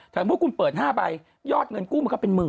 ถ้าว่าคุณเปิด๕ใบยอดเงินกู้มันก็เป็น๑๐๐๐๐